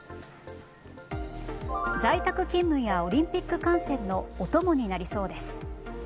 在宅勤務やオリンピック観戦のお供になりそうです。